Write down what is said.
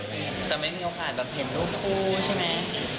จะไม่มีโอกาสเห็นลูกคู่ใช่ไหม